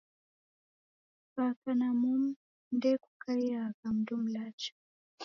Kukaka na momu nde kukaiagha muda mlacha.